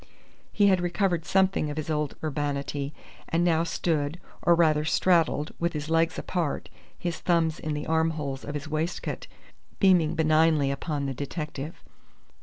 He had recovered something of his old urbanity, and now stood, or rather straddled, with his legs apart, his thumbs in the armholes of his waistcoat, beaming benignly upon the detective.